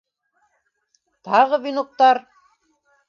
Тағы веноктар.